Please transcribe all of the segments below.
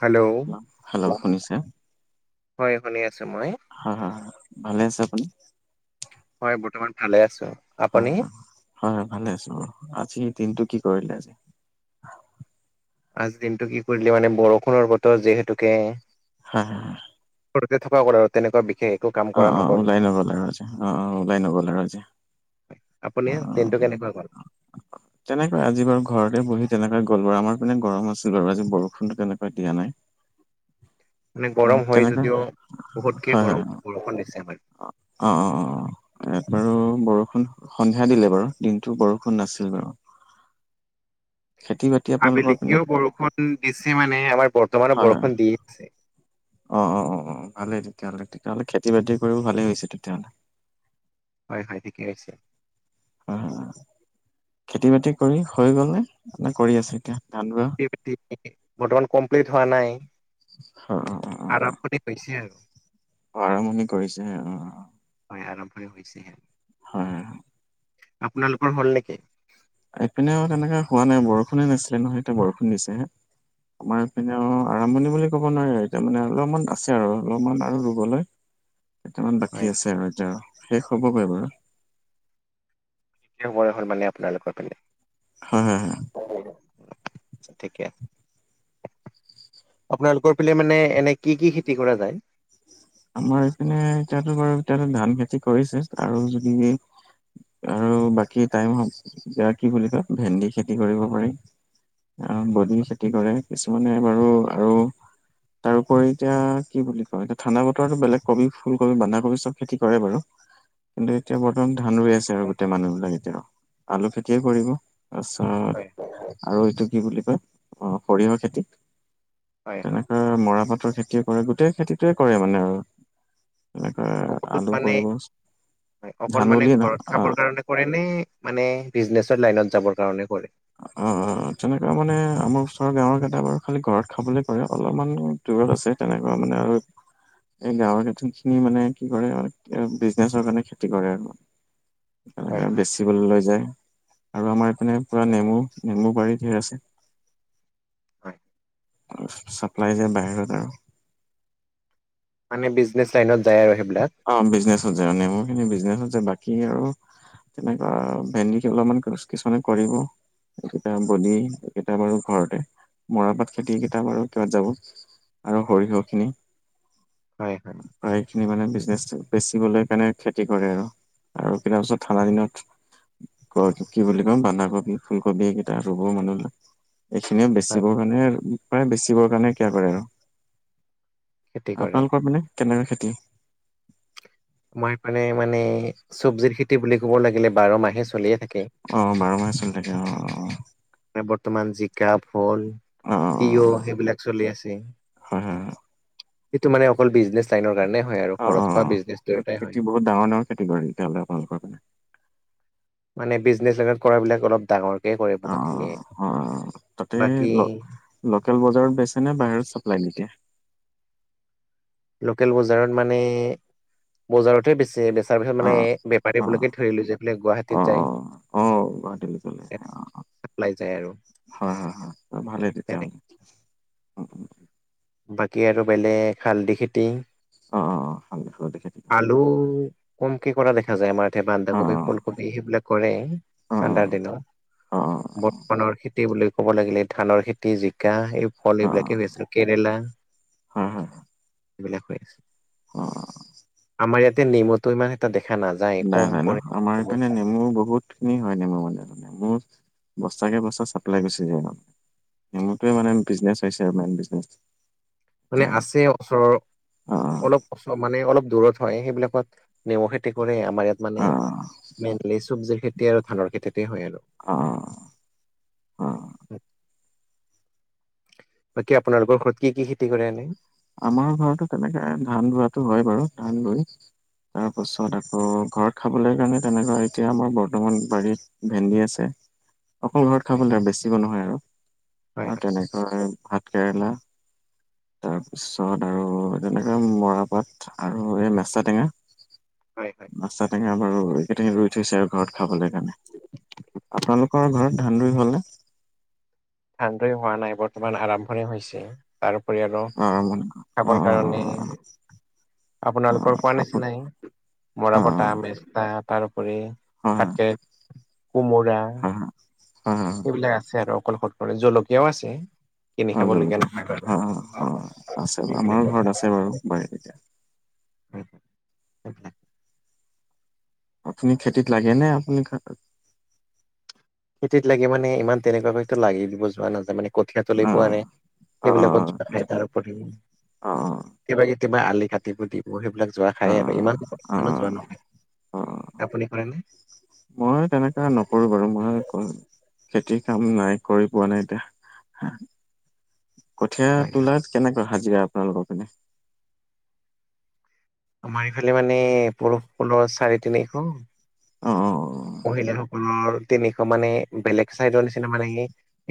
Hello hello কোৱা? শুনিছে হয় শুনি আছো মই। হয় হয় ভালে আছে আপুনি? হয় বৰ্তমান ভালে আছো। অ আপুনি হয়, হয় হয় ভালে আছো বাৰো আজি দিনটো কি কৰিলে আজি? আজিৰ দিনটো কি কৰিলে মানে বৰষুণৰ বতৰ যিহেতুকে হয় হয়। ঘৰতে থকা গল আৰু তেনেকুৱা বিশেষ। একো কাম অ কৰা অ নগ'ল ওলাই ন গলে ৰজ অ অ ওলাই ন গ'লে ৰজে। আপুনি ট্ৰেইনটো কেনেকুৱা গ'ল? তেনেকৈ আজি বাৰ ঘৰতে বহি তেনেকৈ গ'ল বাৰ আমাৰপিনে গৰম আছিল ব আৰু আজি বৰষুণটো তেনেকৈ দিয়া নাই। [inaudible] মানে অ গৰম হয় তেনেকৈ যদিও বহুতকে গৰম বৰষুণ দিছে হয়। অঁ অঁ অঁ, বাৰু বৰষুণ সন্ধিয়া দিলে বাৰু দিনটো বৰষুণ নাছিল বাৰু। খেতি - বা আবেলি কিয় বৰষুণ দিছে মানে আমাৰ বৰ্তমানৰ বৰষুণ দি আছে। অঁ অঁ অঁ অঁ ভালেই তেতিয়াহ'লে - তেতিয়াহ'লে খেতি বাতি কৰিও ভালেই হৈছে তেতিয়াহ'লে। হয় হয় ঠিকে আহিছে। হয় হয়, খেতি - বাতি কৰি হৈ গল নে, নে কৰি আছে এতিয়া? ধান ৰোৱা খেতি - বাতি, বৰ্তমান কমপ্লিট হোৱা নাই অ অ অ আৰম্ভণি হৈছে আৰু। অ আৰম্ভণি কৰিছে অ। হয় আৰম্ভই হৈছেহে। হয়। আপোনালোকৰ হ'ল নেকি? ইপিনেও তেনেকে হোৱা নাই বৰষুণে নাছিলে নহয় এতিয়া বৰষুণ দিছে হে? আমাৰপিনে অ আৰম্ভণি বুলি ক'ব নোৱাৰি এতিয়া মানে অলপমান আছে আৰু অলপমান আৰু ৰুবলৈ। কেইটামান হয় বাকী আছে আৰু এতিয়া শেষ হ'বগৈ বাৰু। শেষ বৰ হল মানে আপোনালোকৰ কাৰণে। হয় হ হ। ঠিকে আছে। আপোনালোকৰ পিলে মানে এনে কি কি খেতি কৰা যায়? আমাৰ এইপিনে এতিয়াতো বাৰু এতিয়া ধান খেতি কৰিছে আৰু যদি সেই আৰু বাকী টাইম হল, এতিয়া কি বুলি কয় ভেন্দি খেতি কৰিব পাৰি। আহ বদি খেতি কৰে কিছুমানে বাৰু আৰু তাৰোপৰি এতিয়া কি বুলি কয় এতিয়া ঠাণ্ডা ব তৰটো বেলেগ কবি ফুলকবি, বন্ধাকবি চব খেতি কৰে বাৰু। কিন্তু এতিয়া বৰ্তমান ধান ৰুই আছে আৰু হয় গোটেই মানুহবিলাক এতিয়াও আলু খেতিয়ে কৰিব তাৰপিছত হয়। আৰু এইটো কি বুলি কয়, অ সৰিয়হৰ খেতি হয় তেনে হয় অ মৰাপাতৰ খেতিয়ে কৰে গোটেই খেতিতোয়ে কৰে মানে আৰু। তেনেকে অকল আলু মানে কৰিব হয় অকল ধান মানে বুলিয়ে নহয় ঘৰত অ খাবৰ কাৰণে কৰে নে মানে বিজনেচৰ লাইনত যাবৰ কাৰণে কৰে? অ অ অ তেনেকা মানে আমাৰ ওচৰৰ গাঁৱৰ কেইটা বাৰু খালি ঘৰত খাবলৈ কৰে অলপমান দূৰত আছে তেনেকুৱা মানে আৰু এই গাঁৱৰ খেতি খিনি মানে কি কৰে আৰু এতিয়া বিজনেচৰ কাৰণে খেতি কৰে হয় আৰু [inaudible] [unintelligible] হয় বেচিবলৈ লৈ যায় আৰু আমাৰ ইপিনে পুৰা নেমু, নেমু বাৰী ধেৰ আছে। হয় ছাপ্লাই যায় বাহিৰত আৰু মানে বিজনেচ লাইনত যায় আৰু সেইবিলাক অ বিজনেছত যায়, নেমু খিনি বিজনেছত য়ায বাকী আৰু তেনেকুৱা ভেন্দি কি অলমান গছ কিছুমানে কৰিব এইকেইটা বদি এইকেইটা বাৰু ঘৰতে, মৰাপাত খেতি কেইটা বাৰু কিহত যাব আৰু সৰিয়হ খিনি হয় হয় হয় খিনি মানে বিজনেছ বেচিবলে কাৰণে খেতি কৰে আৰু কিনা পিছত ঠাণ্ডা দিনত ক কি বুলি কম বন্ধাকবি, ফুলকবি এইকেইটা ৰুব মানুহবিলাক এইখিনিও হয় বেচিবৰ কাৰণে প্ৰায় বেচিবৰ কাৰণে কিয়া কৰে আৰু খেতি কৰে। আপোনালোকৰ মানে কেনেকুৱা খেতি মই মানে মানে চবজিৰ খেতি বুলি কব লাগিলে বাৰ মাহে চলিয়ে থাকে। অ বাৰ মাহে চলি থাকে অ অ, বৰ্তমান জি কা, ফল, অ অ অ তিয়ঁহ সেইবিলাক চলি আছে হয় হয় হয় সেইটো মানে অকল বিজনেছ লাইনৰ কাৰণে হয় আৰু অ অ ঘৰত খোৱা বিজনেছ অ এটাই খেতি হয় বহুত ডাঙৰ ডাঙৰ খেটি কৰে তেতিয়া হ'লে আপোনালোকৰ ফালে মানে বিজনেচ লগত কৰা বিলাক অলপ ডাঙৰ অ অ অ অ অ, তাতে বাকী ল লোকেল বজাৰত বেছে নে বাহিৰত চাপ্লাই দি দিয়ে? লোকেল বজাৰত মানে বজাৰতহে বেছে বে চাৰ পিছত অ মানে বেপাৰী অ বিলাকে ধৰিলৈ যায় পেলাই গুৱাহাটীত যায়। অ গুৱাহাটীলৈ ফালে অ অ চাপ্লাই যায় আৰু হয় হয় হয় ভালেই তেনেকে তেতিয়াহ'লে। অ বাকী আৰু বেলেগ হালধি খেতি। অ অ হালধি খেতি কৰে। আলু কমকে কৰা দেখা যায় আমাৰ ইয়াতে অ বন্ধাকবি, ফুলক বি সেইবিলাক কৰে অ অ ঠাণ্ডাৰ দিনত। অ অ বৰ্তমান খেতি বুলি ক'ব লাগিলে ধানৰ খেতি, জিকা। সেই ফল অ অ এইবিলাকে হৈ আছে কেৰেলা হয় হয় এইবিলাক হৈ আছে। অ। আমাৰ ইয়াতে নেমুতো ইমান এটা দেখা নাযায় নাই কম নাই ন পৰিমাণে আমাৰ এইপিনে বহুত। নেমু বহুত। খিনি হয় নেমু মানে মানে মোৰ বস্তাকে বস্তা চাপ্লাই গুচি যায় অপ। নেমু টোৱে মানে বিজনেছ হৈছে আৰু মেইন বিজনেছ। মানে এতিয়া আৰু। আছে ওচৰৰ অ', অলপ। অলপ চলপ মানে অলপ দূৰত হয় সেইবিলাকত নেমু খেতি কৰে আও আমাৰ ইয়াত মানে অ'। মেইনলি চবজিৰ খেতি আৰু ধানৰ খেতিতে হয় আৰু অ অ অ বাকী আপোনালোকৰ ঘৰত কি কি খেতি কৰে এনেই? আমাৰ ঘৰতো তেনেকে ধান ৰোৱাতো হয় বাৰু ধান ৰুই তাৰপাছত আকৌ ঘৰত খাবলৈ কাৰণে তেনেকুৱা এতিয়া আমাৰ বৰ্তমান বাৰীত। ভেন্দি আছে অকল ঘৰত খাবলে বেছিব নহয় আৰু হয় অ হয় তেনেকৈয়ে ভাত কেৰেলা তাৰপিছত আৰু তেনেকে মৰাপাট আৰু এই মেচা টেঙা। হয় হয় মৈছা টেঙা আমাৰ [unintelligible] ৰুই থৈছে আৰু ঘৰত খাবলে কাৰণে। [inaudible] আপোনালোকৰ ঘৰত ধান ৰুই হ'ল নে। ধান ৰুই হোৱা নাই, বৰ্তমান আৰম্ভণি হৈছে। তাৰউপৰি আৰু অ', মানে অ', খাবৰ অ', অ', কাৰণে অ', অ', আপোনালোকৰ অ', কোৱা আপো- নিচিনাই, মৰা পতা অ মেচতা তাৰউপৰি [unintelligible] কোমোৰা। উম, হম- হম। [unintelligible] আছে আৰু অকল [unintelligible] জলকীয়াও আছে। কিনি অ', খাবলগীয়া জলকীয়া নহয় বাৰু অ', অ', আছে আমাৰো সেইবিলাকে ঘৰত আৰু। আছে বাৰু বাৰীত। [inaudible] আপুনি খেতিত লাগে নে আপুনি খেতিত লাগে মানে ইমান তেনেকুৱাকৈটো লাগি দিব যোৱা নাযায় মানে কঠীয়া তলি অ পোৱা নাই, অ সেইবিলাকত [unintelligible] অ অ কেতিয়াবা-কেতিয়াবা আলি কাটিব দিম। মই সেইবিলাক যোৱা খাইয়ে আকৌ, ইমান অ [unintelligible] যোৱা নাখায়, অ আপুনি কৰেনে। মই তেনেকা নকৰো বাৰু, মই ক খেতিৰ কাম নাই, কৰি পোৱা নাই এতিয়া, হা। কঠীয়া হয় হয় তোলাত কেনেকুৱা হাজিৰা আপোনালোকৰ পিনে। আমাৰ ইফালে মানে পুৰুষসকলৰ চাৰে তিনিশ। অ', অ', অ'। মহিলাসকলৰ তেনেকুৱা মানে বেলেগ চাইডৰ নিচিনা মানে সেই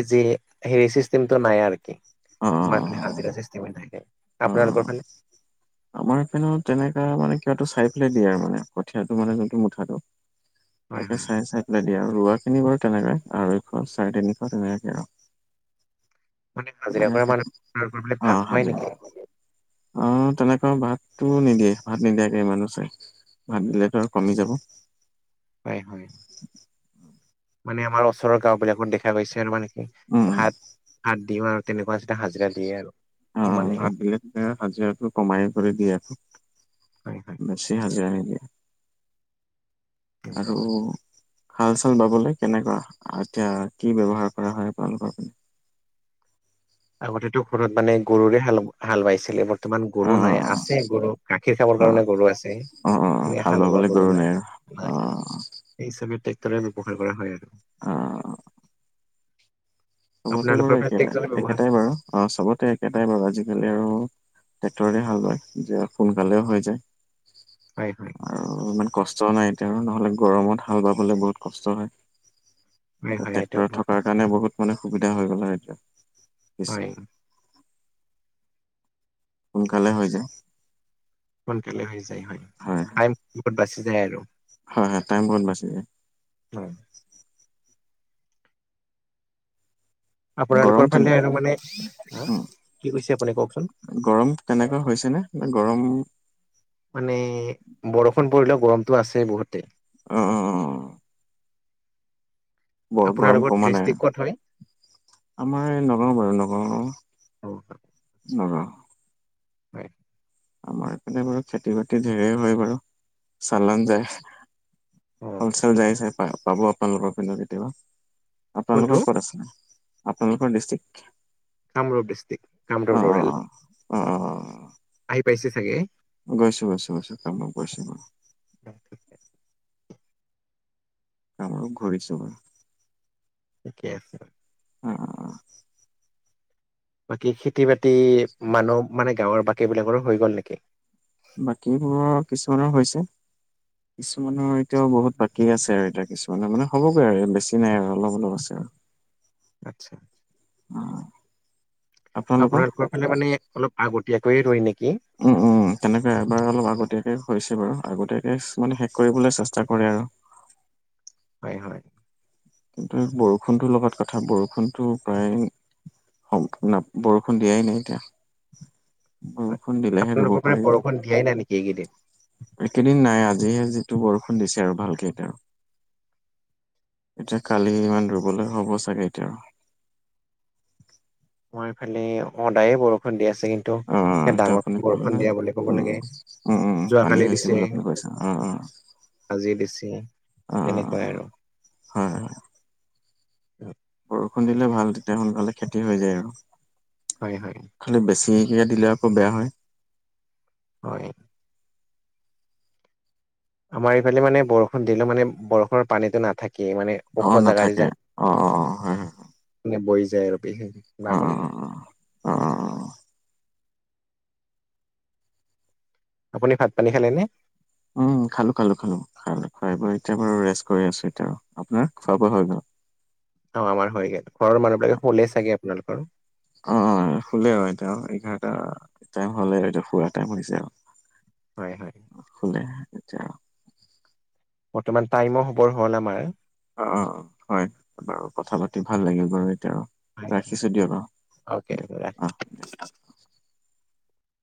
এই যে হেৰি চিষ্টেম তোৰ নাই আৰু কি অ', অ'। আমাৰ ফালে হাজিৰা চিষ্টেমে থাকে, অ অ আপোনালোকৰ ফালে। আমাৰ পিনেও তেনেকা মানে কিবাটো চাই পেলাই দিয়ে আৰু মানে, কঠীয়াটো মানে যোনটো মুঠাটো হয় তাকে হয় চাই- চাই [unintelligible] দিয়ে আৰু, ৰোৱা খিনি বাৰু তেনেকাই আঢ়ৈশ, চাৰে তিনিশ তেনেকে আও। মানে হাজিৰা কৰা খেতি মানুহ [unintelligible] মানে অ ভাত খোৱাই সাতজন নেকি। অ', তেনেকুৱা ভাতটো নিদিয়ে, ভাত নিদিয়াকে মানুহ চায়, ভাত দিলেতো আৰু কমি যাব। হয়-হয়। মানে আমাৰ ওচৰৰ গাঁও বিলাকত দেখা পাইছে আৰু মানে কি উম ভাত ভাত দিও আৰু তেনেকুৱা [unintelligible] হাজিৰা দিয়ে আৰু। অ', সমানে ভাত দিলে [unintelligible] হাজিৰাটো কমাই কৰি দি আছে। হয় হয় বেছি হাজিৰা নিদিয়ে। আৰু হাল চাল বাবলে কেনেকা, আ এতিয়া কি ব্যৱহাৰ কৰা হয় আপোনালোকৰ পিনে। আগতেতো ঘৰত মানে গৰুৰে হাল হাল বাইছিলে বৰ তমান অ গৰু অ নাই আছে গৰু গাখীৰ খাবৰ অ কাৰণে গৰু আছে। অ অ অ এনে হাল বাবলৈ বোৱা গৰু আৰু নাই- অ নাই, সেই হিচাপে ট্ৰেক্টৰে ব্যৱহাৰ কৰা হয় আৰু। অ'। চবতে আপোনালোকৰ বাৰু ফালে ট্ৰেক্টৰে একেটাই- ব্যৱহাৰ একেটাই বাৰু অ', চবতে একেটাই বাৰু আজিকালি আৰু ট্ৰেক্টৰেৰে হাল বায়, যে সোনকালেও হৈ যায়। হয়- হয়। অ', ইমান কষ্টও নাই এতিয়াও আৰু নহ'লে গৰমত হাল বাবলে বহুত কষ্ট হয়। হয় হয় এইটো ট্ৰেক্টৰ বহুত থকাৰ কষ্ট কাৰণে বহুত মানে সুবিধা হৈ গ'ল আৰু এতিয়া হয় সোনকালে হৈ যায়। সোনকালে হৈ যায়। হয়, টাইম বহুত বাচি যায় আৰু। হয় হয় টাইম বহুত বাচি যায়। হয়। গৰম আপোনালোকৰ তেনে ফালে আৰু মানে হা উম কি কৈছে আপুনি কওকচোন? গৰম তেনেকুৱা হৈছে নে? এ গৰম মানে বৰষুণ পৰিলেও গৰমটো আছে বহুতে। অ অ অ। বৰ গৰম আপোনালোকৰ কমা নাই আ। ডিষ্ট্ৰিক্ট ক'ত হয় আমাৰ এই নগাঁও বাৰু নগাঁও অ নগাঁও। হয়। আমাৰ এইপিনে বাৰু খেতি বাতি ধেৰে হয় বাৰু চালান যায়। অ হলচেল ঠিকে যাই চাই পা পাব আপোনালোকৰ পিনো কেতিয়াবা। কোনটো আপোনালোকৰ ক'ত আছে? আপোনালোকৰ district? Kamrup district Kamrup rural অ অ অ আহি পাইছে চাগে। গৈছো গৈছো গৈছো কাম গৈছো বাও। [inaudible] আমাৰো ঘড়ী চবে। ঠিকে আছে। [unintelligible] বাকী খেতি বাতি মানুহ মানে গাঁওৰ বাকী বিলাকৰো হৈ গ'ল নেকি? বাকীবোৰৰ কিছুমানৰ হৈছে কিছুমানৰ এতিয়াও বহুত বাকী আছে আৰু এতিয়া কিছ- মানে মানে হ'বগৈ আৰু বেছি নাই আৰু অলপ অলপ আছে আও। আত্চ্ছা। অ। আপোনালোকৰ ফালে মানে অলপ আগতীয়াকৈয়ে ৰই নেকি। উম উম তেনেকুৱায় এবাৰ অলপ আগতীয়াকে হৈছে বাৰু আগতীয়াকে মানে শেষ কৰিবলৈ চেষ্টা কৰে আৰ। হয় হয়। কিন্তু বৰষুণটোৰ লগত কথা বৰষুণটো প্ৰায় সম্পূৰ্ণ বৰষুণ দিয়াই নাই এতিয়া। হয়। বৰষুণ দিলেহে ৰুব আপোনালোকৰ মানে পাৰিব। বৰষুণ দিয়াই নাই নেকি এইকেইদিন একেদিন নাই আজিহে যিটো বৰষুণ দিছে, আৰু ভালকে এতা। এতিয়া কালি ইমান দূৰ্বলে হ'ব চাগে এতিয়া। মই এইফালে সদায়ে বৰষুণ দি আছে। কি- ন্তু অ এতিয়া ডাঙৰ আপুনি ক'লে বৰষুণ নহয় দিয়া বুলি কব উম লাগে, উম উম পানী যোৱাকালি হৈছে দিছে। বুলি আপুনি কৈছে অ অ আাজি দিছে অ তেনেকুৱাই আৰু। হয় হয়। বৰষুণ দিলে ভাল তেতিয়া সোনকালে খেতি হৈ যায় আৰু। হয় হয়। খালি বেছিহিকে দিলে আকৌ বেয়া হয়। হয়। আমাৰ এফালে মানে বৰষুণ দিলো মানে বৰষুণৰ পানীটো নাথাকেই মানে। অ ওখ জাগা দি নাথাকে জা অ অ অ হয় হয়। মানে বৈ যায় আৰু পেহে অ অ নামনি লৈ। অ অ অ অ। আপুনি ভাত পানী খালে নে? উম খালো খালো খালো খালো খাই ব এতিয়া বাৰু ৰেষ্ট কৰি আছো এতিয়া আৰু। আপোনাৰ খোৱা বোৱা হৈ গল? অ আমাৰ হৈ গে'ল। ঘৰৰ মানুহবিলাকে শুলেই চাগে আপোনালোকৰ? অ অ শুলে অ এতিয়া এঘাৰটা টাইম হ'লে আৰু এতিয়া শুৱা টাইম হৈছে আও। হয় হয়। শুলে এতিয়া। বৰ্তমান টাইমো হ'বৰ হ'ল আমাৰ। অঁ অঁ অঁ হয় বাৰু কথা পাতি ভাল লাগিল বাৰু এতিয়া। হয় ৰাখিছো দিয়ক অ অকেই। দিয়ক অ দিয়ক